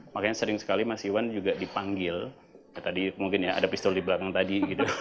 makanya sering sekali mas iwan juga dipanggil tadi mungkin ya ada pistol di belakang tadi gitu